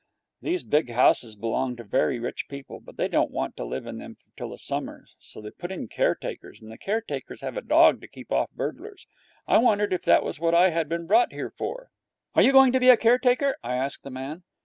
These big houses belong to very rich people, but they don't want to live in them till the summer, so they put in caretakers, and the caretakers have a dog to keep off burglars. I wondered if that was what I had been brought here for. 'Are you going to be a caretaker?' I asked the man.